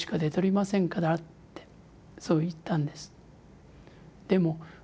そう言ったんです。